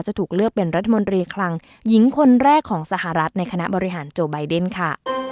จะถูกเลือกเป็นรัฐมนตรีคลังหญิงคนแรกของสหรัฐในคณะบริหารโจไบเดนค่ะ